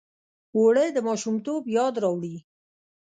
اوړه د ماشومتوب یاد راوړي